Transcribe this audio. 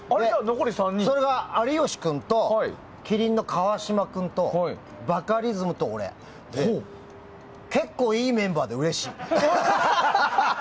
それが有吉君と麒麟の川島君とバカリズムと俺で結構、いいメンバーでうれしい。